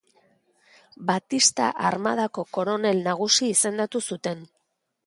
Batista Armadako koronel nagusi izendatu zuten.